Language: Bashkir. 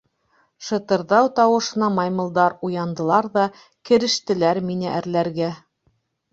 Шы-тырҙау тауышына маймылдар уяндылар ҙа керештеләр мине әрләргә.